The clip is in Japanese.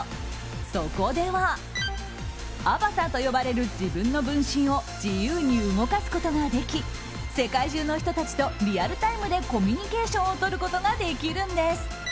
そこではアバターと呼ばれる自分の分身を自由に動かすことができ世界中の人たちとリアルタイムでコミュニケーションをとることができるんです。